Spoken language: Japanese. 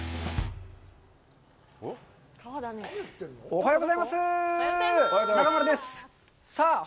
おはようございます。